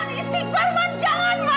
istikfar bu jangan bu